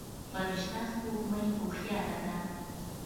فرشته سپوږمۍ هوښياره ده.